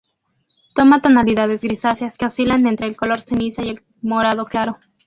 Toma tonalidades grisáceas que oscilan entre el color ceniza y el morado claro.